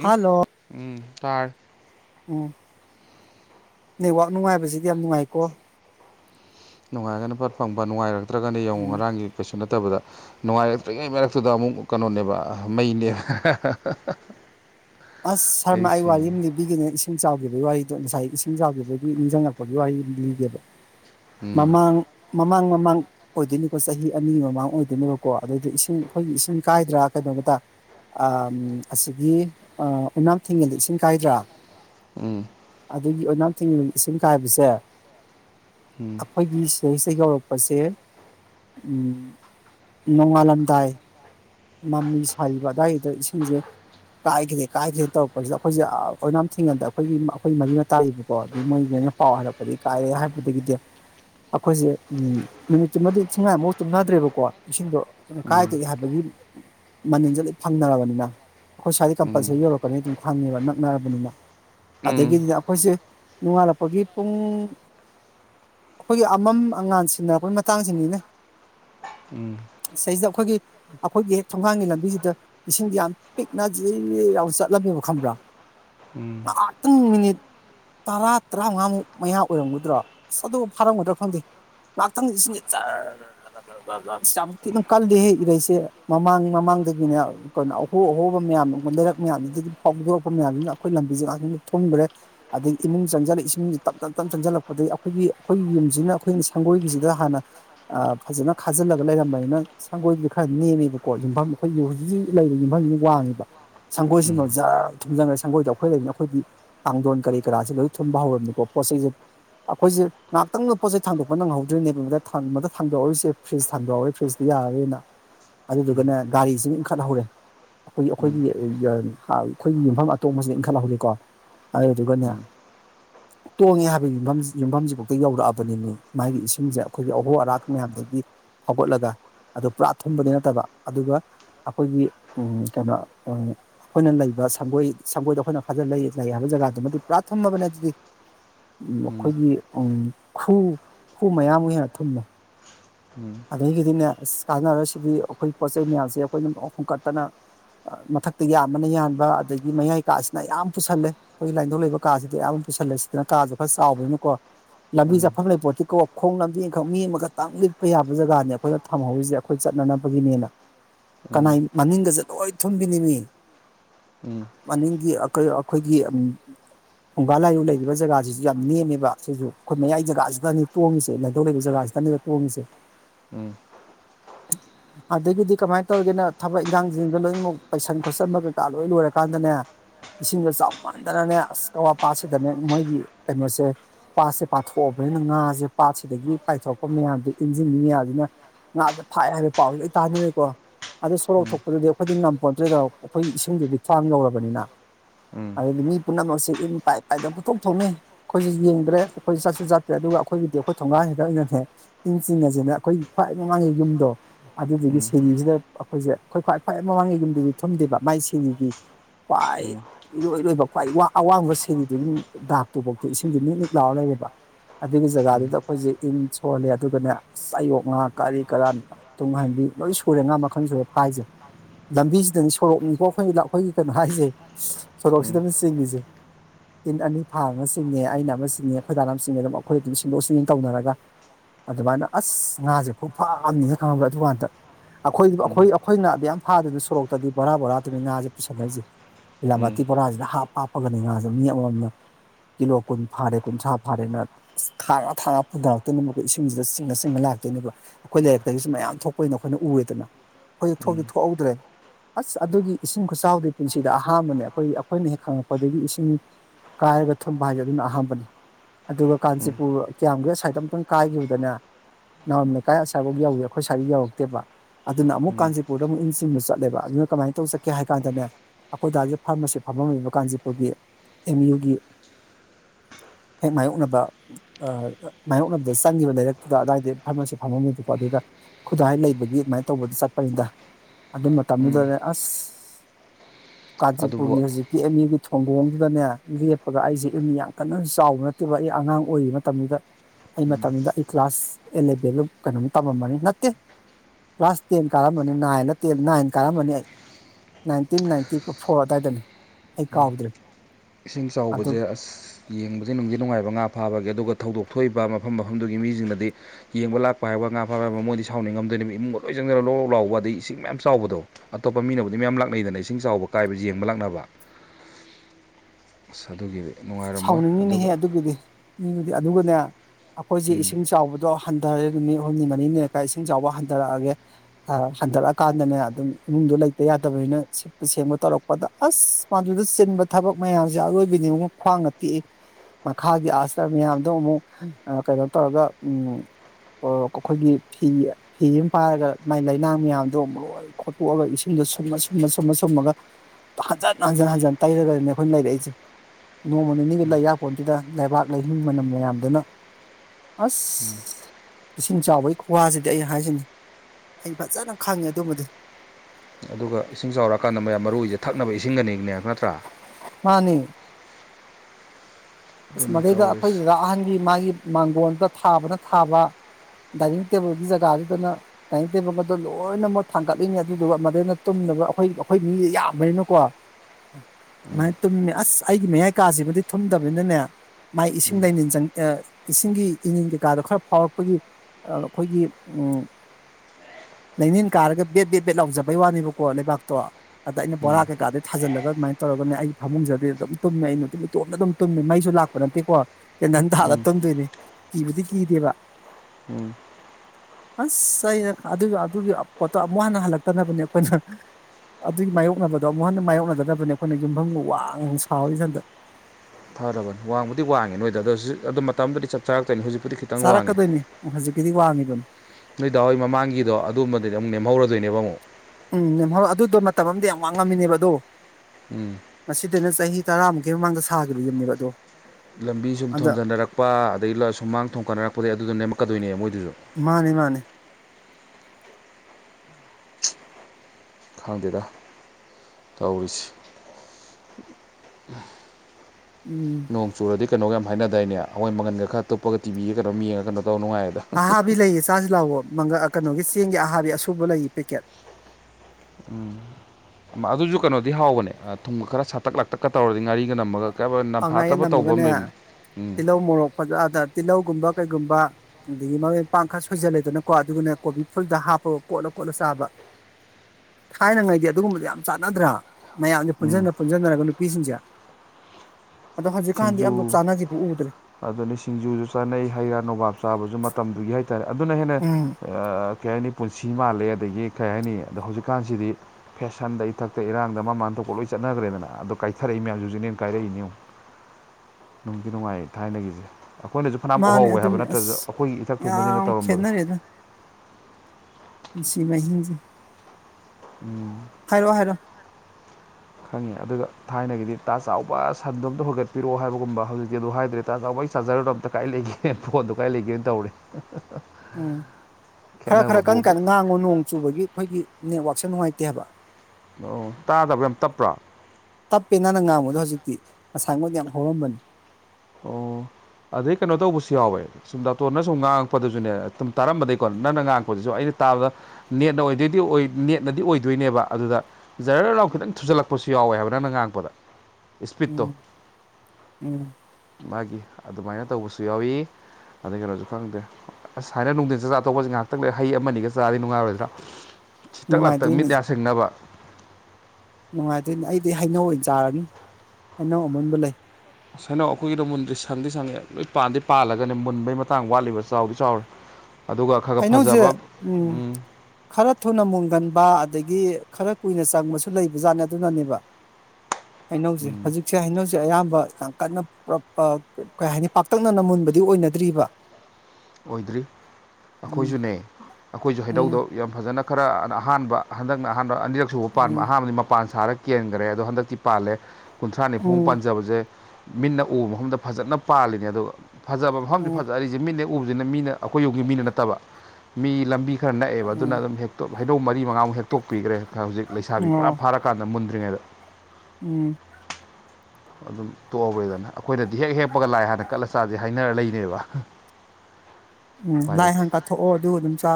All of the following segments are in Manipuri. ꯎꯝ ꯎꯝ ꯇꯥꯔꯦ ꯎꯝ ꯅꯦꯠꯋ꯭ꯔꯛ ꯅꯨꯡꯉꯥꯏꯕꯁꯤ ꯌꯥꯝ ꯅꯨꯡꯉꯥꯏꯀꯣ ꯅꯨꯡꯉꯥꯏꯔꯒꯅ ꯐꯠ ꯐꯪꯕ ꯅꯨꯡꯉꯥꯏꯔ ꯇ꯭ꯔꯒꯅ ꯌꯦꯑꯣ ꯎꯝ ꯉꯔꯥꯡꯒꯤ ꯄꯩꯁꯥ ꯅꯠꯇꯕꯗ ꯅꯨꯡꯉꯥꯏꯔꯛꯇ꯭ꯔꯤꯉꯩ ꯃꯔꯛꯇꯨꯗ ꯑꯃꯨꯛ ꯀꯩꯅꯣꯅꯦꯕ ꯃꯩꯅꯦꯕ ꯑꯁ ꯁꯔꯃ ꯑꯩ ꯋꯥꯔꯤ ꯑꯃ ꯂꯤꯕꯤꯒꯅꯦ ꯏꯁꯤꯡ ꯆꯥꯎꯈꯤꯕꯒꯤ ꯋꯥꯔꯤꯗꯣ ꯉꯁꯥꯏ ꯏꯁꯤꯡ ꯆꯥꯎꯈꯤꯕꯒꯤ ꯅꯤꯡꯁꯤꯡꯉꯛꯄꯒꯤ ꯋꯥꯔꯤ ꯂꯤꯒꯦꯕ ꯎꯝ ꯃꯃꯥꯡ ꯃꯃꯥꯡ ꯃꯃꯥꯡ ꯑꯣꯏꯗꯣꯏꯅꯤꯀꯣ ꯆꯍꯤ ꯑꯅꯤꯒꯤ ꯃꯃꯥꯡ ꯑꯣꯏꯗꯣꯏꯅꯦꯕꯀꯣ ꯑꯗꯨꯗꯏꯗ ꯏꯁꯤꯡ ꯑꯩꯈꯣꯏꯒꯤ ꯏꯁꯤꯡ ꯀꯥꯏꯗ꯭ꯔꯥ ꯀꯩꯩꯅꯧꯕꯗ ꯑꯁꯤꯒꯤ ꯑ ꯑꯣꯏꯅꯥꯝ ꯊꯤꯡꯉꯦꯜꯗ ꯏꯁꯤꯡ ꯀꯥꯏꯗ꯭ꯔꯥ ꯎꯝ ꯑꯗꯨꯗꯒꯤ ꯑꯣꯏꯅꯥꯝ ꯊꯤꯡꯉꯦꯜꯒꯤ ꯏꯁꯤꯡ ꯀꯥꯏꯕꯁꯦ ꯑꯩꯈꯣꯏꯒꯤ ꯁꯤꯗꯩꯁꯤ ꯌꯧꯔꯛꯄ ꯄꯁꯦ ꯅꯣꯡꯉꯥꯜꯂꯝꯂꯝꯗꯥꯏ ꯃꯃꯤ ꯁꯥꯔꯤꯕ ꯑꯗꯨꯋꯥꯏꯗꯨꯗ ꯏꯁꯤꯡꯁꯦ ꯀꯥꯏꯒ꯭ꯔꯦ ꯀꯥꯏꯒ꯭ꯔꯦ ꯇꯧꯔꯛꯄꯁꯤꯗ ꯑꯩꯈꯣꯏꯁꯦ ꯑꯣꯏꯅꯥꯝ ꯊꯤꯡꯉꯦꯟꯗ ꯑꯩꯈꯣꯏꯒꯤ ꯑꯩꯈꯣꯏ ꯃꯔꯤ ꯃꯇ ꯂꯩꯕꯀꯣ ꯑꯗꯒꯤ ꯃꯣꯏꯒꯤꯅ ꯄꯥꯎ ꯍꯥꯏꯔꯛꯄꯗꯒꯤ ꯀꯥꯏꯔꯦ ꯍꯥꯏꯕꯗꯒꯤꯗꯤ ꯑꯩꯈꯣꯏꯁꯦ ꯑꯝ ꯅꯨꯃꯤꯠꯇꯨꯃꯗꯤ ꯅꯤꯡꯊꯤꯅꯨꯡꯉꯥꯏꯅ ꯑꯃꯧ ꯇꯨꯝꯅꯗ꯭ꯔꯦꯕꯀꯣ ꯏꯁꯤꯡꯗꯣ ꯎꯝ ꯀꯥꯏꯗꯒꯤ ꯍꯥꯏꯕꯒꯤ ꯃꯅꯤꯟꯁꯦ ꯂꯣꯏ ꯐꯪꯅꯔꯕꯅꯤꯅ ꯑꯩꯈꯣꯏ ꯁ꯭ꯋꯥꯏꯗ ꯎꯝ ꯎꯝ ꯀꯝꯄꯜꯁꯔꯤ ꯌꯧꯔꯛꯀꯅꯤ ꯑꯗꯨꯝ ꯈꯪꯉꯦꯕ ꯅꯛꯅꯔꯕꯅꯤꯅ ꯎꯝ ꯎꯝ ꯑꯗꯒꯤꯗꯤꯅ ꯑꯩꯈꯣꯏꯁꯦ ꯅꯣꯡꯉꯥꯜꯂꯛꯄꯒꯤ ꯄꯨꯡ ꯑꯩꯈꯣꯏꯒꯤ ꯑꯃꯝ ꯑꯉꯥꯟ ꯁꯤꯟꯅꯔꯛꯄꯩ ꯃꯇꯥꯡꯁꯤꯅꯤꯅꯦ ꯎꯝ ꯎꯝ ꯎꯝ ꯁꯤꯗꯩꯩꯁꯤꯗ ꯑꯩꯈꯣꯏꯒꯤ ꯑꯩꯈꯣꯏꯒꯤ ꯍꯦꯛ ꯊꯣꯡꯒꯥꯟꯒꯤ ꯂꯝꯕꯤꯁꯤꯗ ꯏꯁꯤꯡ ꯌꯥꯝ ꯄꯤꯛꯅ ꯖ꯭ꯔꯤ ꯌꯥꯎ ꯆꯠꯂꯝꯃꯦꯕ ꯈꯪꯕ꯭ꯔꯥ ꯎꯝ ꯎꯝ ꯎꯝ ꯎꯝ ꯎꯝ ꯎꯝ ꯎꯝ ꯎꯝ ꯎꯝ ꯎꯝ ꯎꯝ ꯎꯝ ꯎꯝ ꯉꯥꯏꯍꯥꯛꯇꯪ ꯃꯤꯅꯤꯠ ꯇꯔꯥ ꯇꯔꯥꯃꯉꯥꯃꯨꯛ ꯃꯌꯥ ꯑꯣꯏꯔꯝꯒꯗ꯭ꯔꯣ ꯑꯁ ꯑꯗꯨ ꯐꯥꯔꯝꯒꯗ꯭ꯔ ꯈꯪꯗꯦ ꯉꯥꯏꯍꯥꯛꯇꯪ ꯏꯁꯤꯡꯁꯤ ꯖꯔ ꯑꯁ ꯌꯝꯊꯤꯅ ꯀꯜꯂꯤꯍꯦ ꯏꯔꯩꯁꯦ ꯃꯃꯥꯡ ꯃꯃꯥꯡꯗꯒꯤꯅꯦ ꯑꯍꯣ ꯑꯍꯣꯕ ꯃꯌꯥꯝ ꯂꯩꯔꯛ ꯃꯌꯥꯝꯁꯤꯗ ꯐꯥꯎꯗꯣꯔꯛꯄ ꯃꯌꯥꯝꯁꯤꯅ ꯑꯩꯈꯣꯏ ꯂꯝꯕꯤꯁꯦ ꯉꯥꯏꯍꯛꯇ ꯊꯨꯝꯈ꯭ꯔꯦ ꯑꯗꯒꯤ ꯏꯃꯨꯡ ꯆꯪꯁꯤꯜꯂ ꯏꯁꯤꯡꯁꯦ ꯇꯞ ꯇꯞ ꯇꯞꯅ ꯆꯪꯁꯤꯜꯂꯛꯄꯗꯒꯤ ꯑꯩꯈꯣꯏꯒꯤ ꯑꯩꯈꯣꯏꯒꯤ ꯌꯨꯝꯁꯤꯅ ꯑꯩꯈꯣꯏꯅ ꯁꯪꯒꯣꯏꯒꯤꯁꯤꯗ ꯍꯥꯟꯅ ꯐꯖꯅ ꯈꯥꯖꯤꯜꯂꯒ ꯂꯩꯔꯝꯕꯅꯤꯅ ꯁꯪꯒꯣꯏꯒꯤꯗꯤ ꯈꯔ ꯅꯦꯝꯃꯦꯕꯀꯣ ꯌꯨꯝꯐꯝ ꯑꯩꯈꯣꯏꯒꯤ ꯍꯧꯖꯤꯛ ꯂꯩ ꯌꯨꯝꯐꯝꯁꯤ ꯋꯥꯡꯉꯤꯕ ꯁꯪꯒꯣꯏꯁꯤꯃ ꯖꯔ ꯊꯨꯝꯖꯤꯟꯈ꯭ꯔꯦ ꯁꯪꯒꯣꯏꯗꯣ ꯑꯩꯈꯣꯏ ꯂꯩꯕꯅꯤꯅ ꯑꯩꯈꯣꯏꯗꯤ ꯀꯥꯡꯊꯣꯟ ꯀꯔꯤ ꯀꯔꯥꯁꯦ ꯂꯣꯏ ꯊꯨꯝꯕ ꯍꯧꯔꯕꯝꯅꯤꯀꯣ ꯄꯣꯠꯆꯩꯁꯦ ꯑꯩꯈꯣꯏꯁꯦ ꯉꯥꯏꯍꯥꯛꯇꯪ ꯄꯣꯠꯆꯩ ꯊꯥꯡꯗꯣꯛꯄ ꯅꯪꯍꯧꯗ꯭ꯔꯔꯤꯅꯦꯕ ꯃꯗ ꯊꯥꯡꯕꯗ ꯊꯥꯡꯗꯣꯛꯍꯧꯔꯤꯁꯦ ꯐ꯭ꯔꯤꯖ ꯊꯥꯡꯗꯣꯛꯍꯧꯔꯦ ꯐ꯭ꯔꯤꯖꯇꯤ ꯌꯥꯔꯔꯣꯏꯅ ꯑꯗꯨꯗꯨꯒꯅꯦ ꯒꯥꯔꯤꯁꯤꯃꯒ ꯏꯟꯈꯠꯍꯧꯔꯦ ꯑꯩꯈꯣꯏꯒꯤ ꯑꯩꯈꯣꯏꯒꯤ ꯑꯩꯈꯣꯏꯒꯤ ꯌꯨꯝꯐꯝ ꯑꯇꯣꯡꯕꯁꯤꯗ ꯏꯟꯈꯠꯍꯧꯔꯤꯀꯣ ꯑꯗꯨꯗꯨꯒꯅꯦ ꯇꯣꯡꯉꯦ ꯍꯥꯏꯕ ꯌꯐꯝ ꯌꯨꯝꯐꯝꯁꯤꯐꯥꯎꯗ ꯌꯧꯔꯛꯑꯕꯅꯤꯅꯤ ꯃꯥꯒꯤ ꯏꯁꯤꯡꯁꯦ ꯑꯩꯈꯣꯏꯒꯤ ꯑꯍꯣ ꯑꯔꯥꯛ ꯃꯌꯥꯝꯗꯒꯤ ꯐꯥꯎꯒꯠꯂꯒ ꯑꯣ ꯄꯨꯔꯥ ꯊꯨꯝꯕꯗꯩ ꯅꯠꯇꯕ ꯑꯗꯨꯒ ꯑꯩꯈꯣꯏꯒꯤ ꯎꯝ ꯀꯩꯅꯣ ꯑꯩꯈꯣꯏꯅ ꯂꯩꯕ ꯁꯪꯒꯣꯏ ꯁꯪꯒꯣꯏꯗ ꯑꯩꯈꯣꯏꯅ ꯐꯖꯅ ꯂꯩ ꯂꯩ ꯍꯥꯏꯕ ꯖꯒꯥꯗꯨꯃꯗꯤ ꯄꯨꯔꯥ ꯊꯨꯝꯃꯕꯅꯦ ꯑꯗꯨꯗꯤ ꯎꯝ ꯑꯩꯈꯣꯏꯒꯤ ꯎꯝ ꯈꯨꯨ ꯈꯨ ꯃꯌꯥꯝꯃꯨ ꯍꯦꯟꯅ ꯊꯨꯝꯃꯦ ꯑꯗꯨꯗ ꯍꯦꯒꯗꯅꯦ ꯑꯁ ꯀꯥꯅꯔꯁꯤꯗꯤ ꯑꯩꯈꯣꯏ ꯄꯣꯠ ꯆꯩ ꯃꯌꯥꯝꯁꯦ ꯑꯩꯈꯣꯏꯅ ꯍꯨꯝꯀꯠꯇꯅ ꯃꯊꯛꯇ ꯌꯥꯝꯟꯕꯅ ꯌꯥꯟꯕ ꯑꯗꯒꯤ ꯃꯌꯥꯏ ꯀꯥꯁꯤꯅ ꯌꯥꯝꯌꯥꯝ ꯄꯨꯁꯜꯂꯦ ꯑꯩꯈꯣꯏ ꯂꯥꯏꯟꯊꯧꯧ ꯂꯩꯕ ꯀꯥꯁꯤꯗꯤ ꯑꯌꯥꯝ ꯄꯨꯁꯜꯂꯦ ꯁꯤꯗꯅ ꯀꯥꯁꯨ ꯈꯔ ꯆꯥꯎꯕꯅꯤꯅꯀꯣ ꯂꯝꯕꯤ ꯆꯠ ꯐꯪꯪꯂꯛ ꯄꯣꯠꯇꯤ ꯀ ꯈꯣꯡ ꯂꯝꯝꯕꯤ ꯑꯃꯈꯛ ꯃꯤ ꯑꯃꯒꯛ ꯇꯥꯡ ꯆꯠꯄ ꯌꯥꯕ ꯖꯒꯥꯅꯦ ꯑꯩꯈꯣꯏꯅ ꯊꯝꯍꯧꯔꯤꯁꯦ ꯑꯩꯈꯣꯏ ꯆꯠꯅꯅꯕꯒꯤꯅꯦꯅ ꯀꯅꯥꯏ ꯃꯅꯤꯡꯒꯁꯦ ꯂꯣꯏ ꯊꯨꯝꯕꯤꯅꯤꯡꯉ ꯃꯥꯅꯤꯡꯒꯤ ꯀ ꯑꯩꯈꯣꯏꯒꯤ ꯐꯨꯡꯒꯥ ꯂꯥꯏꯔꯨ ꯂꯩꯔꯤꯕ ꯖꯒꯥꯁꯤꯁꯨ ꯌꯥꯝ ꯅꯦꯝꯃꯦꯕ ꯁꯤꯁꯨ ꯑꯩꯈꯣꯏ ꯃꯌꯥꯏ ꯖꯒꯥꯁꯤꯗꯅꯤ ꯇꯣꯡꯉꯤꯁꯦ ꯂꯙꯧ ꯂꯩꯕ ꯖꯒꯥꯁꯤꯗꯅꯦ ꯇꯣꯡꯉꯤꯁꯦ ꯑꯗ ꯀꯈꯤꯗꯤ ꯀꯃꯥꯏ ꯇꯧꯔꯤꯒꯅ ꯊꯕꯛ ꯏꯪꯈꯥꯡꯁꯤꯡꯗꯣ ꯂꯣꯏꯅꯃꯛ ꯄꯩꯁꯟ ꯈꯣꯠꯆꯟꯕ ꯀꯩꯀꯥ ꯂꯣꯏ ꯂꯣꯏꯔꯀꯥꯟꯗꯅꯦ ꯏꯁꯤꯡꯗꯣ ꯆꯥꯎꯞ ꯃꯥꯟꯗꯅꯅꯦ ꯑꯁ ꯑꯋꯥ ꯄꯥꯠꯁꯤꯗꯅꯦ ꯃꯣꯏꯒꯤ ꯀꯩꯅꯣꯁꯦ ꯄꯥꯠꯁꯦ ꯄꯥꯊꯣꯛꯑꯕꯅꯤꯅ ꯉꯥꯁꯦ ꯄꯥꯠꯁꯤꯗꯒꯤ ꯄꯥꯏꯊꯣꯔꯛꯄ ꯃꯌꯥꯝꯗꯤ ꯇꯤꯟꯁꯤꯟꯅꯤꯡꯉꯦꯁꯤꯅ ꯉꯥꯥꯁ ꯐꯥꯏ ꯍꯥꯏꯕ ꯄꯥꯎꯁ ꯂꯣꯏ ꯇꯥꯅꯔꯦꯀꯣ ꯑꯗꯨꯗꯣ ꯁꯣꯔꯧ ꯊꯣꯛꯄꯗꯨꯗꯤ ꯑꯩꯈꯣꯏꯗꯤ ꯉꯝ ꯀꯣꯟꯟꯇ꯭ꯔꯦ ꯇꯔꯛ ꯑꯩꯈꯣꯏꯒꯤ ꯏꯁꯤꯡꯗꯨꯗꯤ ꯐꯥꯔꯝ ꯌꯧꯔꯕꯅꯤꯅ ꯑꯗꯨꯗꯤ ꯃꯤ ꯄꯨꯟꯅ ꯃꯁꯤ ꯏꯄꯥꯥꯏ ꯏꯄꯥꯏꯗꯅ ꯄꯨꯊꯣꯛ ꯊꯣꯛꯅꯩ ꯑꯩꯈꯣꯏꯁꯨ ꯌꯦꯡꯗ꯭ꯔꯦ ꯑꯩꯈꯣꯏꯁꯨ ꯆꯠꯁꯨ ꯆꯥꯠꯇ꯭ꯔꯦ ꯑꯗꯨꯒ ꯑꯩꯈꯣꯏꯒꯤꯗꯤ ꯑꯩꯈꯣꯏ ꯊꯣꯡꯒꯥꯜꯁꯤꯗ ꯑꯣꯏꯅꯅꯦ ꯏꯤꯡ ꯆꯤꯡꯉꯁꯤꯅ ꯑꯩꯈꯣꯏ ꯈ꯭ꯋꯥꯏ ꯃꯃꯥꯡꯉꯤ ꯌꯨꯝꯗꯣ ꯑꯗꯨꯗꯨꯒꯤ ꯁꯤꯦꯔꯤꯁꯤꯗ ꯑꯩꯈꯣꯏꯁꯦ ꯑꯩꯈꯣꯏ ꯈ꯭ꯋꯥꯏ ꯈ꯭ꯋꯥꯏ ꯃꯃꯥꯡꯒꯤꯩ ꯌꯨꯝꯗꯨꯗꯤ ꯊꯨꯝꯗꯦꯕ ꯃꯥꯏ ꯁꯤꯦꯅꯤꯗꯤ ꯄꯥꯏ ꯂꯣꯏ ꯂꯣꯏꯕ ꯈ꯭ꯋꯥꯏ ꯑꯋꯥꯡꯕ ꯁꯦꯔꯤꯗꯨ ꯑꯗꯨ ꯗꯥꯛꯇꯨꯕꯥꯎꯇ ꯏꯁꯤꯡꯗꯨ ꯅꯤꯛ ꯅꯤꯛ ꯂꯥꯎꯔ ꯂꯩꯔꯌꯦꯦꯕ ꯑꯗꯨꯒꯤ ꯖꯒꯥꯗꯨꯗ ꯑꯩꯈꯣꯏꯁꯦ ꯏꯪ ꯁꯣꯍꯜꯂꯤꯦ ꯑꯗꯨꯒꯅꯦ ꯆꯌꯣ ꯉꯥ ꯀꯔꯤ ꯀꯔꯥꯟ ꯇꯨꯡꯍꯟꯕꯤ ꯂꯣꯏ ꯁꯨꯔꯦ ꯉꯥ ꯃꯈꯜ ꯁꯨꯔꯦ ꯐꯥꯏꯁꯦ ꯂꯝꯕꯤꯁꯤꯗꯅꯤ ꯁꯣꯔꯣꯛꯅꯤꯀꯣ ꯑꯩꯈꯣꯏ ꯑꯩꯈꯣꯏꯒꯤ ꯀꯩꯅꯣ ꯍꯥꯏꯁꯦ ꯁꯁꯤꯅꯤ ꯆꯦꯡꯒꯒꯤꯁꯦ ꯇꯤꯟ ꯑꯅꯤ ꯐꯥꯔꯅ ꯆꯤꯡꯉꯦ ꯑꯩꯅ ꯑꯃ ꯆꯤꯡꯉꯦ ꯑꯩꯈꯣꯏꯗꯥꯅ ꯑꯃ ꯆꯤꯡꯉꯦ ꯑꯗꯨꯝ ꯑꯩꯈꯣꯏ ꯑꯗꯨꯝ ꯁꯤꯦꯡꯗꯣꯛ ꯁꯤꯟꯖꯤꯟ ꯇꯧꯅꯔꯒ ꯑꯗꯨꯃꯥꯏꯅ ꯑꯁ ꯉꯥꯁꯦ ꯈꯨꯐꯥꯕꯅꯤꯅ ꯈꯪꯉꯕ꯭ꯔꯥ ꯑꯗꯨꯀꯥꯟꯗ ꯑꯩꯈꯣꯏ ꯑꯩꯈꯣꯏ ꯑꯩꯈꯣꯏꯅꯗꯤ ꯌꯥꯝ ꯐꯥꯗꯨꯅ ꯁꯣꯔꯣꯛꯇꯗꯤ ꯕꯣꯔꯥ ꯕꯣꯔꯥꯗꯨꯅ ꯉꯥꯁꯦ ꯄꯨꯁꯟꯅꯔꯤꯁꯦ ꯎꯝ ꯏꯂꯥꯕꯇ ꯎꯝ ꯄꯨꯔ ꯍꯥꯏꯖꯤꯗ ꯍꯥꯞ ꯍꯥꯞꯄꯒꯅꯤ ꯉꯥꯁꯦ ꯃꯤ ꯑꯃꯃꯝꯅ ꯀꯤꯂꯣ ꯀꯨꯟ ꯐꯥꯔꯦ ꯀꯨꯟꯊ꯭ꯔꯥ ꯐꯥꯔꯦꯅ ꯊꯥꯡꯉꯥ ꯊꯥꯡꯉꯥ ꯄꯨꯊꯔꯛꯇꯅ ꯃꯈꯣꯏꯁꯤꯡ ꯁꯤꯡꯁꯤꯗ ꯆꯤꯡꯅ ꯆꯤꯡꯅ ꯂꯥꯛꯇꯣꯏꯅꯦꯕ ꯑꯩꯈꯣꯏ ꯂꯥꯏꯔꯤꯛꯇꯒꯤꯁꯨ ꯃꯌꯥꯝ ꯊꯣꯛꯄ ꯑꯣꯏꯅ ꯑꯩꯈꯣꯏꯅ ꯎꯑꯦꯗꯅ ꯑꯩꯈꯣꯏꯗꯤ ꯊꯣꯛꯁꯤ ꯎꯝ ꯎꯝ ꯊꯣꯛꯍꯧꯗ꯭ꯔꯦ ꯑꯁ ꯑꯗꯨꯒꯤ ꯏꯁꯤꯡ ꯈꯨꯆꯥꯎꯗꯤ ꯄꯨꯟꯁꯤꯗ ꯑꯍꯥꯝꯕꯅꯦ ꯑꯩꯈꯣꯏ ꯑꯩꯈꯣꯏꯅ ꯍꯦꯛ ꯈꯪꯉꯛꯄꯗꯒꯤ ꯏꯁꯤꯡ ꯀꯥꯏꯔꯒ ꯊꯨꯝꯕ ꯍꯥꯏꯁꯦ ꯑꯗꯨꯅ ꯑꯍꯝꯕꯅꯤ ꯑꯗꯨꯒ ꯀꯥꯟꯆꯤꯄꯨꯔ ꯀꯌꯥꯝꯨꯒ ꯁ꯭ꯋꯥꯏꯗ ꯀꯥꯏꯒꯤ ꯑꯗꯨꯗꯅ ꯅꯥꯎꯝ ꯂꯩꯀꯥꯏ ꯑꯆꯥꯥꯐꯧ ꯌꯧꯏꯤ ꯑꯩꯈꯣꯏ ꯁ꯭ꯋꯥꯏ ꯌꯧꯔꯛꯇꯦꯕ ꯑꯗꯨꯅ ꯑꯃꯨꯛ ꯀꯥꯟꯆꯤꯄꯨꯔꯗ ꯑꯃꯨꯛ ꯏꯟ ꯆꯤꯡꯕ ꯆꯠꯂꯦꯕ ꯑꯗꯨ ꯀꯃꯥꯏ ꯇꯧꯦ ꯀꯦ ꯍꯥꯏ ꯀꯥꯟꯗꯅꯦ ꯑꯩꯈꯣꯏ ꯗꯥꯒꯤ ꯐꯥꯔꯃꯥꯁꯤ ꯐꯝꯐꯝꯃꯤꯕ ꯀꯥꯟꯆꯤꯄꯨꯔꯒꯤ ꯑꯦꯝ ꯌꯨꯒꯤ ꯍꯦꯛ ꯃꯥꯌꯣꯛꯅꯕ ꯃꯌꯣꯛꯅꯕꯗ ꯆꯪꯈꯤꯕ ꯂꯩꯔꯛꯇꯨꯗ ꯑꯗꯨꯗꯥꯏꯗ ꯐꯥꯔꯃꯥꯁꯤ ꯐꯪꯉꯝꯅꯤꯗꯀꯣ ꯑꯗꯨꯗ ꯈꯨꯗꯥꯥꯏ ꯂꯩꯕꯒꯤ ꯑꯗꯨꯃꯥꯏꯅ ꯇꯧꯕꯗ ꯆꯠꯄꯅꯤꯗ ꯑꯗꯨꯝꯕ ꯇꯝꯃꯤꯗꯨꯅꯦ ꯑꯁ ꯀꯥꯦ ꯄ ꯑꯗꯨꯕꯨ ꯍꯧꯦ ꯊꯣꯡꯒꯣꯡꯗꯨꯗꯅꯦ ꯂꯦꯞꯄꯒ ꯑꯩꯁꯦ ꯑꯅꯤ ꯌꯥꯝ ꯀꯟꯅ ꯆꯥꯎꯕ ꯅꯠꯇꯦꯕ ꯑꯩ ꯑꯉꯥꯡ ꯑꯣꯏꯔꯤ ꯃꯇꯝꯗꯨꯗ ꯑꯩ ꯃꯇꯝꯗꯨꯗ ꯑꯩ ꯀ꯭ꯂꯥꯁ ꯑꯦꯂꯦꯚꯦꯟꯂ ꯀꯩꯅꯣꯝ ꯇꯝꯃꯃꯅꯤ ꯅꯠꯇꯦ ꯀ꯭ꯂꯥꯁ ꯇꯦꯟ ꯀꯥꯔꯃꯅꯤ ꯅꯥꯏꯟꯗ ꯇꯦꯟ ꯅꯥꯏꯟ ꯀꯥꯔꯝꯃꯅꯤ ꯑꯩ ꯅꯥꯏꯟꯇꯤꯟ ꯅꯥꯏꯟꯇꯤ ꯐꯣꯔ ꯑꯗꯨꯋꯥꯏꯗꯅꯦ ꯑꯩ ꯀꯥꯎꯗ꯭ꯔꯦ ꯏꯁꯤꯡ ꯑꯗꯨ ꯆꯥꯎꯕꯁꯦ ꯑꯁ ꯌꯦꯡꯕꯁꯦ ꯅꯨꯡꯁ ꯅꯨꯡꯉꯥꯏꯕ ꯉꯥ ꯐꯥꯕꯒꯦ ꯑꯗꯨꯒ ꯊꯧꯗꯣꯛ ꯊꯣꯛꯏꯕ ꯃꯐꯝ ꯃꯐꯝꯗꯨꯒꯤ ꯃꯤꯁꯤꯡꯅꯗꯤ ꯌꯦꯡꯕ ꯂꯥꯛꯄ ꯍꯥꯏꯕ ꯉꯥ ꯐꯥꯕ ꯍꯥꯏꯕ ꯃꯣꯏꯗꯤ ꯁꯥꯎꯅꯤꯡꯉꯝꯗꯣꯏꯅꯦꯕ ꯏꯃꯨꯡꯒ ꯂꯣꯏ ꯆꯪꯖꯔꯒ ꯂꯔꯣꯛ ꯂꯥꯎꯕ ꯑꯗꯗꯒꯤ ꯏꯁꯤꯡ ꯃꯌꯥꯝ ꯆꯥꯎꯕꯗꯣ ꯑꯇꯣꯞꯄ ꯃꯤꯅꯕꯨꯗꯤ ꯃꯌꯥꯝ ꯂꯥꯛꯅꯩꯗꯅ ꯏꯁꯤꯡ ꯆꯥꯎꯕ ꯀꯥꯏꯕꯁ ꯌꯦꯡꯕ ꯂꯥꯛꯅꯕ ꯑꯗꯨꯒꯤ ꯁꯥꯎꯅꯤꯡꯉꯤꯅꯦꯍꯦ ꯑꯗꯨꯒꯤꯗꯤ ꯎꯗꯤ ꯑꯗꯨꯒꯅ ꯑꯩꯈꯣꯏꯁꯦ ꯎꯝ ꯏꯁꯤꯡ ꯆꯥꯎꯕꯗꯣ ꯍꯟꯊꯔꯦ ꯅꯨꯃꯤꯠ ꯍꯨꯝꯅꯤ ꯃꯔꯤꯅꯦꯀ ꯏꯁꯤꯡ ꯆꯥꯎꯕ ꯍꯟꯊꯔꯛꯑꯒꯦ ꯍꯟꯊꯔꯛꯑꯀꯥꯟꯗꯅꯦ ꯑꯗꯨꯝ ꯏꯃꯨꯡꯗꯣ ꯂꯩꯇ ꯌꯥꯗꯕꯅꯤꯅ ꯁꯤꯠꯄ ꯁꯦꯡꯕ ꯇꯧꯔꯛꯄꯗ ꯑꯁ ꯃꯥꯟꯗꯨꯗ ꯆꯤꯟꯕ ꯊꯕꯛ ꯃꯌꯥꯝꯁꯦ ꯑꯔꯣꯏꯕꯤꯅꯤ ꯈ꯭ꯋꯥꯡꯅ ꯇꯦꯛꯏ ꯃꯈꯥꯒꯤ ꯑꯥꯁꯇꯔ ꯃꯌꯥꯝꯗꯣ ꯑꯃꯨꯛ ꯀꯩꯅꯣ ꯇꯧꯔꯒ ꯎꯝ ꯑꯩꯈꯣꯏꯒꯤ ꯐꯤ ꯐꯤ ꯑꯃ ꯄꯥꯏꯔꯒ ꯃꯥꯏ ꯂꯩꯥꯏꯅꯥꯡ ꯃꯌꯥꯝꯗꯣ ꯑꯃꯨꯛ ꯂꯣꯏ ꯈꯣꯠꯇꯣꯛꯑꯒ ꯏꯁꯤꯡꯗꯣ ꯁꯨꯝꯃ ꯁꯨꯝꯃ ꯁꯨꯝꯃ ꯁꯨꯝꯃꯒ ꯍꯟꯖꯤꯟ ꯍꯟꯖꯤꯟ ꯍꯟꯖꯤꯟ ꯇꯩꯔꯒꯅꯦ ꯑꯩꯈꯣꯏꯅ ꯂꯩꯔꯛꯏꯁꯦ ꯅꯣꯡꯃ ꯅꯤꯅꯤꯒꯤ ꯂꯩꯌꯥꯛꯄꯣꯟꯗꯨꯗ ꯂꯩꯕꯥꯛ ꯂꯩꯍꯤꯡ ꯃꯅꯝ ꯃꯌꯥꯝꯗꯨꯅ ꯑꯁ ꯏꯁꯤꯡ ꯆꯥꯎꯕꯒꯤ ꯈꯨꯋꯥꯁꯤꯗꯤ ꯑꯩ ꯍꯥꯏꯁꯤꯅꯤ ꯑꯩ ꯐꯖꯅ ꯈꯪꯉꯤ ꯑꯗꯨꯃꯗꯤ ꯑꯗꯨꯒ ꯏꯁꯤꯡ ꯆꯥꯎꯔꯛꯑꯀꯥꯟꯗ ꯃꯌꯥꯝ ꯃꯔꯨ ꯑꯣꯏꯁꯦ ꯊꯛꯅꯕ ꯏꯁꯤꯡꯒꯅꯤꯅꯦ ꯅꯠꯇ꯭ꯔꯥ ꯃꯥꯅꯤ ꯑꯁ ꯑꯗꯨꯅꯤ ꯃꯗꯩꯗ ꯇꯧꯔꯤꯁꯦ ꯑꯩꯈꯣꯏꯗꯨꯗ ꯑꯍꯟꯒꯤ ꯃꯥꯒꯤ ꯃꯥꯡꯒꯣꯟꯜꯗꯨꯗ ꯊꯥꯕꯅ ꯊꯥꯕ ꯗꯥꯏꯅꯤꯡ ꯇꯦꯕꯜꯒꯤ ꯖꯒꯥꯗꯨꯗꯅ ꯗꯥꯏꯅꯤꯡ ꯇꯦꯕꯜꯒꯗ ꯂꯣꯏꯅꯃꯛ ꯊꯥꯡꯒꯠꯂꯤꯅꯤ ꯑꯗꯨꯗꯨꯒ ꯃꯗꯩꯅ ꯇꯨꯝꯗꯅꯕ ꯑꯩꯈꯣꯏ ꯑꯩꯈꯣꯏ ꯃꯤꯁꯦ ꯌꯥꯝꯕꯅꯤꯅꯀꯣ ꯑꯗꯨꯃꯥꯏꯅ ꯇꯨꯝꯃꯦ ꯑꯁ ꯑꯩꯒꯤ ꯃꯌꯥꯏ ꯀꯥꯁꯤꯕꯨꯗꯤ ꯊꯨꯝꯗꯕꯅꯤꯅꯅꯦ ꯃꯥꯏ ꯏꯁꯤꯡ ꯂꯩꯅꯤꯟ ꯆꯪ ꯏꯁꯤꯡꯒꯤ ꯏꯅꯤꯟ ꯀꯩꯀꯥꯗꯣ ꯈꯔ ꯐꯥꯎꯔꯛꯄꯒꯤ ꯑꯩꯈꯣꯏꯒꯤ ꯂꯩꯅꯤꯟ ꯀꯥꯔꯒ ꯕꯦꯠ ꯕꯦꯠ ꯕꯦꯠ ꯂꯥꯎꯖꯕꯩ ꯋꯥꯅꯦꯕꯀꯣ ꯂꯩꯕꯥꯛꯇꯣ ꯑꯗ ꯑꯩꯅ ꯕꯣꯔꯥ ꯎꯝ ꯀꯩꯀꯥꯗ ꯊꯥꯖꯤꯜꯂꯒ ꯑꯗꯨꯃꯥꯏꯅ ꯇꯧꯔꯒꯅꯦ ꯑꯩꯒꯤ ꯐꯃꯨꯡꯗꯗꯤ ꯑꯗꯨꯝ ꯇꯨꯝꯃꯦ ꯑꯩꯅ ꯑꯗꯨꯝ ꯏꯇꯣꯝꯅ ꯑꯗꯨꯝ ꯇꯨꯝꯃꯦ ꯃ ꯨ ꯂꯥꯛꯄ ꯅꯠꯇꯦꯀꯣ ꯀꯦꯟꯗꯟꯗ ꯍꯥꯜꯂꯒ ꯎꯝ ꯇꯧꯗꯣꯏꯅꯦ ꯀꯤꯕꯨꯗꯤ ꯀꯤꯗꯦꯕ ꯎꯝ ꯑꯁ ꯑꯩꯅ ꯑꯗꯨ ꯑꯗꯨꯒꯤ ꯄꯣꯠꯇꯣ ꯑꯃꯨꯛ ꯍꯟꯅ ꯍꯜꯂꯛꯇꯅꯕꯅꯦ ꯑꯩꯈꯣꯏꯅ ꯑꯗꯨꯒꯤ ꯃꯥꯏꯌꯣꯛꯅꯕꯗꯣ ꯑꯃꯨꯛ ꯍꯟꯅ ꯃꯥꯥꯏꯌꯣꯛꯅꯗꯅꯕꯅꯦ ꯑꯩꯈꯣꯏꯅ ꯌꯨꯝꯐꯝꯒ ꯋꯥꯡ ꯉꯥꯡ ꯁꯥꯎꯔꯤꯁꯤꯟꯗ ꯐꯔꯕꯅꯤ ꯋꯥꯡꯕꯨꯗꯤ ꯋꯥꯡꯉꯦ ꯅꯣꯏꯗ ꯑꯗꯣ ꯍꯧꯖꯤꯛ ꯑꯗꯨ ꯃꯇꯝꯗꯨꯗꯤ ꯆꯞ ꯆꯥꯔꯛꯇꯣꯏꯅꯤ ꯍꯧꯖꯤꯛ ꯁꯔ ꯀꯗꯣꯏꯅꯤ ꯍꯧꯖꯤꯛ ꯀꯗꯤ ꯋꯥꯍꯉꯅꯤ ꯄ ꯅꯣꯏꯗꯥ ꯍꯏ ꯃꯃꯥꯡꯒꯤꯗꯣ ꯑꯗꯨꯝꯕꯗꯗꯤ ꯑꯃꯨꯛ ꯅꯦꯝꯍꯧꯔꯗꯣꯏꯅꯦꯕ ꯑꯃꯨꯛ ꯎꯝ ꯅ ꯍ ꯑꯗꯨꯗꯣ ꯃꯇꯝ ꯑꯗ ꯌꯥꯝ ꯋꯥꯡꯉꯝꯃꯤꯅꯦꯕ ꯑꯗꯣ ꯎꯝ ꯃꯁꯤꯗꯅ ꯆꯍꯤ ꯇꯔꯥꯃꯨꯛꯀꯤ ꯃꯃꯥꯡꯗ ꯁꯥꯈꯤꯕ ꯌꯨꯝꯅꯦꯕ ꯑꯗꯣ ꯂꯝꯕꯤ ꯁꯨꯝ ꯑꯗ ꯊꯣꯟꯖꯟꯅꯔꯛꯄ ꯑꯗꯒꯤ ꯁꯨꯝ ꯃꯥꯡ ꯊꯣꯟ ꯀꯠꯅꯔꯛꯄꯗꯒꯤꯩ ꯑꯗꯨꯗꯨꯅꯦ ꯀꯣꯏꯅꯦ ꯃꯣꯏ ꯃꯥꯅꯦ ꯃꯥꯅꯦ ꯈꯪꯗꯦꯗ ꯇꯧꯔꯤꯁꯤ ꯎꯝ ꯅꯣꯡ ꯆꯨꯔꯗꯤ ꯀꯩꯅꯣꯒ ꯌꯥꯝ ꯍꯥꯏꯅꯏꯅꯦ ꯑꯩꯈꯣꯏ ꯃꯪꯒꯟꯒ ꯈꯔ ꯇꯞꯄꯒ ꯇꯤꯕꯤꯒ ꯀꯩꯅꯣꯝ ꯌꯦꯉꯒ ꯀꯩꯅꯣ ꯇꯧꯔ ꯅꯨꯡꯉꯥꯏꯌꯦꯗ ꯍꯥ ꯍꯥ ꯑꯕꯤ ꯂꯩꯌꯦ ꯆꯁꯤ ꯂꯥꯛꯑꯣ ꯃꯪꯒ ꯀꯩꯅꯣꯒꯤ ꯆꯦꯡꯒꯤ ꯑꯍꯥꯗꯤ ꯑꯁꯨꯕ ꯂꯩ ꯄꯦꯛꯀꯦꯠ ꯑꯗꯨꯁꯨ ꯀꯩꯅꯣꯗꯤ ꯍꯥꯎꯕꯅꯦ ꯊꯨꯝ ꯈꯔ ꯁꯥꯇꯛ ꯂꯥꯛꯇꯛꯀ ꯇꯧꯔꯗꯤ ꯉꯥꯔꯤ ꯑꯉꯥꯏꯌꯦ ꯅꯝꯃꯒꯅꯦ ꯎꯝ ꯇꯤꯜꯍꯧ ꯃꯣꯔꯣꯛꯄꯖ ꯑꯗ ꯇꯤꯜꯍꯧꯒꯨꯝꯕ ꯀꯩꯒꯨꯝꯕ ꯑꯗꯒꯤ ꯃꯔꯣꯏ ꯃꯄꯥꯡ ꯈꯔ ꯁꯣꯏꯖꯜꯂꯦꯗꯅꯀꯣ ꯑꯗꯨꯒꯅ ꯀꯣꯕꯤ ꯐꯨꯜꯗ ꯍꯥꯞꯄꯒ ꯀꯣꯠꯂ ꯀꯣꯠꯂ ꯆꯥꯕ ꯊꯥꯏꯅꯉꯩꯗꯤ ꯑꯗꯨꯒꯨꯝꯕꯗ ꯌꯥꯝ ꯆꯥꯟꯅꯗ꯭ꯔꯥ ꯃꯌꯥꯝꯁꯦ ꯎꯝ ꯄꯨꯟꯁꯤꯟꯅ ꯄꯨꯟꯁꯤꯟꯅꯔꯒ ꯅꯨꯄꯤꯁꯤꯡꯁꯦ ꯑꯗꯣ ꯍꯧꯖꯤꯛꯀꯥꯟꯗꯤ ꯑꯝꯕꯨꯛ ꯁꯤꯡꯖꯨ ꯆꯥꯅꯈꯤꯕ ꯎꯗ꯭ꯔꯦ ꯑꯗꯨꯅꯤ ꯁꯤꯡꯖꯨꯁꯨ ꯆꯥꯅꯩ ꯍꯩ ꯔꯥ ꯅꯣꯕꯥꯞ ꯆꯥꯕꯁꯨ ꯃꯇꯝꯗꯨꯒꯤ ꯍ ꯦ ꯑꯗꯨꯅ ꯍꯦꯟꯅ ꯎꯝ ꯑ ꯀꯩ ꯍꯥꯏꯅꯤ ꯄꯨꯟꯁꯤ ꯃꯥꯜꯂꯦ ꯑꯗꯒꯤ ꯀꯩ ꯍꯥꯏꯅꯤ ꯑꯗꯣ ꯍꯧꯖꯤꯛꯀꯥꯟꯁꯤꯗꯤ ꯐꯦꯁꯟꯗ ꯏꯊꯛꯇ ꯏꯔꯥꯡꯗ ꯃ ꯃꯥꯟ ꯊꯣꯛꯄ ꯂꯣꯏ ꯆꯠꯅꯈ꯭ꯔꯦꯗꯅ ꯑꯗꯣ ꯀꯥꯏꯊꯔꯛꯏ ꯃꯌꯥꯝꯁꯤꯁꯨꯅꯦꯅ ꯀꯥꯏꯔꯛꯏꯅꯦꯨꯛ ꯅꯨꯡꯒꯤ ꯅꯨꯡꯉꯥꯏ ꯊꯥꯏꯅꯒꯤꯁꯦ ꯑꯩꯈꯣꯏꯅꯁꯨ ꯐꯅꯌꯥꯝꯝ ꯃꯥꯅꯦ ꯎꯍꯧꯋꯦ ꯍꯥꯏꯕ ꯑꯗꯨꯅꯦ ꯅꯠꯇ꯭ꯔꯁꯨ ꯑꯁ ꯑꯩꯈꯣꯏꯒꯤ ꯏꯊꯛ ꯊꯣꯡꯕꯁꯤꯡꯅ ꯌꯥꯝ ꯇꯧꯔꯝꯕꯗꯣ ꯁꯤꯕꯏꯁ ꯎꯝ ꯍꯥꯏꯔꯑꯣ ꯍꯥꯏꯔꯣꯑꯣ ꯈꯪꯉꯦ ꯑꯗꯨꯒ ꯊꯥꯏꯅꯒꯤꯗꯤ ꯇꯥ ꯆꯥꯎꯕ ꯁꯟꯗꯣ ꯑꯝꯇ ꯍꯒꯠꯄꯤꯔꯛꯑꯣ ꯍꯥꯏꯕꯒꯨꯝꯕ ꯍꯧꯖꯤꯛꯇꯤ ꯑꯗꯨꯗꯣ ꯍꯥꯏꯗ꯭ꯔꯦ ꯇꯥ ꯆꯥꯎꯕ ꯑꯩ ꯆꯥꯔꯖꯔꯗꯣ ꯑꯝꯇ ꯀꯥꯏ ꯂꯩꯒꯦ ꯐꯣꯟꯗꯣ ꯀꯥꯏ ꯂꯩꯒꯦꯅ ꯇꯧꯔꯦ ꯎꯝ ꯈꯔ ꯈꯔ ꯈꯦꯠꯅꯕ ꯀꯟ ꯐꯥꯎꯕ ꯀꯥꯟꯅ ꯉꯥꯡꯉꯨ ꯅꯣꯡ ꯆꯨꯕꯒꯤ ꯑꯩꯈꯣꯏꯒꯤ ꯅꯦꯠꯋꯥꯛꯁꯨ ꯅꯨꯡꯉꯥꯏꯇꯦꯕ ꯑꯣ ꯇꯥꯗꯕ ꯌꯥꯝ ꯇꯞꯄ꯭ꯔꯥ ꯄꯦꯅꯥꯟꯅ ꯉꯥꯡꯕꯗꯣ ꯍꯧꯖꯤꯛꯇꯤ ꯑꯁꯥꯉꯣꯟꯗ ꯌꯥꯝ ꯍꯧꯔꯝꯕꯅꯤ ꯑꯣ ꯑꯗꯩ ꯀꯩꯅꯣ ꯇꯧꯕꯁꯨ ꯌꯥꯎꯋꯦ ꯁꯨꯝ ꯗꯥꯛꯇꯣꯔꯅ ꯁꯨꯝ ꯉꯥꯡꯉꯛꯄꯗꯁꯨꯅꯦ ꯁꯨꯝ ꯇꯥꯔꯝꯕꯗꯒꯤꯩꯀꯣ ꯅꯪꯅ ꯉꯥꯡꯉꯛꯄꯗꯨꯁꯨ ꯑꯩꯅ ꯇꯥꯕꯗ ꯅꯦꯠꯅ ꯑꯣꯏꯗꯣꯏꯗꯤ ꯅꯦꯠꯅꯗꯤ ꯑꯣꯏꯗꯣꯏꯅꯦꯕ ꯑꯗꯨꯗ ꯖꯔꯅꯥꯎ ꯈꯤꯇꯪ ꯊꯨꯖꯜꯂꯛꯄꯁꯨ ꯌꯥꯎꯋꯦ ꯍꯥꯏꯕ ꯅꯪꯅ ꯉꯥꯡꯉꯛꯄꯗ ꯎꯝ ꯏꯄꯤꯠꯠꯇꯣ ꯎꯝ ꯃꯥꯒꯤ ꯑꯗꯨꯃꯥꯏꯅ ꯇꯧꯕꯁꯨ ꯌꯥꯎꯏ ꯑꯗꯩ ꯀꯩꯅꯣꯁꯨ ꯈꯪꯗꯦ ꯑꯁ ꯍꯥꯏꯥꯏꯅ ꯅꯨꯡꯊꯤꯟ ꯆꯥꯛꯆꯥ ꯊꯄꯁꯦ ꯉꯥꯏꯍꯥꯛꯇꯪꯅꯦ ꯍꯩ ꯑꯃꯅꯤꯒ ꯆꯥꯗꯤ ꯅꯨꯡꯉꯥꯏꯔꯣꯏꯗ꯭ꯔꯥ ꯁꯤꯤꯇꯛ ꯂꯥꯛꯇꯛ ꯃꯤꯠ ꯅꯨꯡꯉꯥꯏꯗꯣꯏꯅꯦ ꯌꯥꯌꯥ ꯁꯦꯡꯅꯕ ꯅꯨꯡꯉꯥꯏꯇꯣꯏꯅꯦ ꯑꯩꯗꯤ ꯍꯩꯅꯧ ꯑꯣꯏꯅ ꯆꯥꯔꯅꯤ ꯍꯩꯅꯧ ꯑꯃꯟꯕ ꯂꯩ ꯁꯩꯅꯧ ꯑꯩꯈꯣꯏꯒꯤꯗꯣ ꯃꯨꯟꯗꯤ ꯁꯪꯗꯤ ꯁꯪꯉꯦ ꯂꯣꯏ ꯄꯥꯟꯗ ꯄꯥꯜꯂꯒꯅꯦ ꯃꯨꯟꯕꯩ ꯃꯇꯥꯡ ꯋꯥꯠꯂꯤꯕ ꯆꯥꯎꯗꯤ ꯆꯥꯎꯔꯦ ꯑꯗꯨꯒ ꯈꯔ ꯈꯔ ꯍꯩꯅꯧꯁꯦ ꯐꯖꯕ ꯎꯝ ꯈꯔ ꯊꯨꯅ ꯃꯨꯒꯟꯕ ꯑꯗꯒꯤ ꯒꯤ ꯈꯔ ꯀꯨꯏꯅ ꯆꯪꯕꯁꯨ ꯂꯩꯕꯖꯥꯠꯅꯦ ꯑꯗꯨꯅꯅꯦꯕ ꯍꯥꯏꯩꯅꯧꯁꯦ ꯎꯝ ꯍꯧꯖꯤꯛꯁꯦ ꯍꯥꯏꯩꯅꯧꯁ ꯑꯌꯥꯝꯕ ꯌꯥꯝ ꯀꯟꯅ ꯀꯩ ꯍꯥꯏꯅꯤ ꯄꯥꯛꯇꯛꯅꯅ ꯃꯨꯟꯕꯗꯤ ꯑꯣꯏꯅꯗ꯭ꯔꯤꯕ ꯑꯣꯏꯗ꯭ꯔꯤ ꯎꯝ ꯑꯩꯈꯣꯏꯁꯨꯅꯦ ꯑꯩꯈꯣꯏꯁꯨ ꯎꯝ ꯍꯩꯗꯧꯗꯣ ꯌꯥꯝ ꯐꯖꯅ ꯈꯔ ꯑꯍꯥꯟꯕ ꯍꯟꯗꯛꯅ ꯑꯍꯥꯟꯕ ꯑꯅꯤꯔꯛ ꯁꯨꯕ ꯄꯥꯟꯕ ꯑꯍꯥꯟꯕ ꯑꯃꯗꯤ ꯃꯄꯥꯟ ꯊꯔ ꯀꯦꯟꯈ꯭ꯔꯦ ꯑꯗꯣ ꯍꯟꯗꯛꯇꯤ ꯄꯥꯜꯂꯦ ꯀꯨꯟꯊ꯭ꯔꯥ ꯅꯤꯐꯨ ꯎꯝ ꯄꯥꯟꯖꯕꯁꯦ ꯃꯤꯟꯅ ꯎꯕ ꯃꯐꯝꯗ ꯐꯖꯅ ꯄꯥꯜꯂꯤꯅꯤ ꯑꯗꯨꯒ ꯐꯥꯖꯕ ꯃꯐꯝꯗꯤ ꯎꯝ ꯐꯥꯖ ꯑꯩꯁꯦ ꯃꯤꯠꯅ ꯎꯕꯁꯤꯅ ꯃꯤꯅ ꯑꯈꯣꯏ ꯔꯣꯝꯒꯤ ꯃꯤꯅ ꯅꯠꯇꯕ ꯃꯤ ꯂꯝꯕꯤ ꯈꯔ ꯅꯛꯑꯦꯕ ꯑꯗꯨꯅ ꯎꯝ ꯑꯗꯨꯝ ꯍꯦꯛꯇꯣꯛ ꯍꯩꯅꯧ ꯃꯔꯤ ꯃꯉꯥꯃꯨꯛ ꯍꯦꯛꯇꯣꯛꯄꯤꯒ꯭ꯔꯦ ꯍꯧꯖꯤꯛ ꯂꯩꯁꯥꯕꯤ ꯎꯝ ꯄꯨꯔꯥ ꯑꯣ ꯐꯥꯔꯀꯥꯟꯗ ꯃꯨꯟꯗ ꯉꯦꯗ ꯎꯝ ꯑꯗꯨꯝ ꯇꯣꯛꯑꯕꯩꯗꯅ ꯑꯈꯣꯏꯅꯗꯤ ꯍꯦꯛ ꯍꯦꯛꯄꯒ ꯂꯥꯏ ꯍꯥꯟꯅ ꯀꯠꯂ ꯆꯥꯥꯁꯦ ꯍꯥꯏ ꯍꯥꯏꯅꯔ ꯂꯩꯅꯦꯕ ꯎꯝ ꯎꯄꯥꯏ ꯂꯥꯏ ꯂꯩꯇꯦ ꯍꯥꯟ ꯀꯥꯊꯣꯛꯑꯣ ꯑꯗꯨꯒ ꯑꯗꯨꯝ ꯆꯥ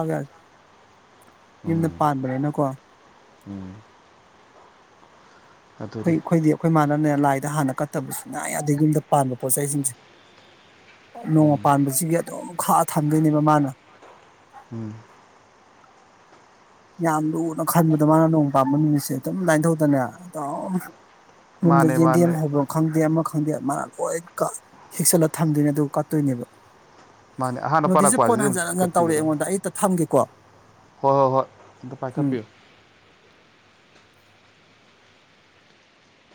ꯌꯨꯝꯗ ꯎꯝ ꯄꯥꯟꯕꯅꯤꯅꯀꯣ ꯎꯝ ꯑꯗꯨꯅꯤ ꯑꯈꯣꯏ ꯑꯈꯣꯏꯗꯤ ꯑꯈꯣꯏ ꯃꯥꯥꯟꯅꯅꯦ ꯂꯥꯏꯗ ꯍꯥꯟꯅ ꯀꯠ ꯀꯠꯇꯕ ꯁꯨꯡꯌꯥ ꯌꯥꯗꯦ ꯌꯨꯝꯗ ꯄꯥꯟꯕ ꯄꯣꯠꯆꯩ ꯁꯤꯡꯁꯦ ꯅꯣꯡꯃ ꯎꯝ ꯄꯥꯟꯕꯁꯤ ꯑꯗꯨꯝ ꯈꯥꯛꯑ ꯊꯝꯗꯣꯏꯅꯦꯕ ꯃꯥꯅ ꯎꯝ ꯌꯥꯝ ꯂꯨꯅ ꯈꯟꯕꯗꯣ ꯃꯥꯅ ꯅꯣꯡ ꯄꯥꯟꯕ ꯅꯨꯃꯤꯠꯁꯦ ꯑꯗꯨꯝ ꯂꯥꯏꯟꯊꯧꯗꯅꯦ ꯑꯗꯨꯝ ꯌꯨꯝꯗ ꯃꯥꯅꯦ ꯌꯦꯟꯗꯦꯝ ꯃꯥꯅꯦ ꯍꯥꯏꯕ ꯈꯪꯗꯦ ꯑꯃ ꯈꯪꯗꯦ ꯃꯥꯅ ꯂꯣꯏ ꯍꯦꯛꯆꯜꯂ ꯊꯝꯗꯣꯏꯅꯦ ꯑꯗꯨ ꯀꯠꯇꯣꯏꯅꯦꯕ ꯃꯥꯅꯦ ꯑꯍꯥꯟꯕ ꯅꯨꯗꯤꯁꯦ ꯄꯥꯏꯔꯛꯄ ꯐꯣꯟ ꯍꯥꯏꯁꯤꯗꯤ ꯑꯗꯨꯝ ꯍꯟꯖꯟ ꯍꯟꯖꯤꯟ ꯇꯧꯔꯛꯑꯦ ꯀꯠꯄꯤꯒꯗꯕꯅꯤ ꯑꯩꯉꯣꯟꯗ ꯑꯩ ꯑꯝꯇ ꯊꯝꯒꯦ ꯀꯣ ꯍꯣꯏ ꯍꯣꯏ ꯍꯣꯏ ꯑꯝꯇ ꯄꯥꯏꯈꯥꯄꯤꯌꯨ